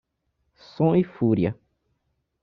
Som e fúria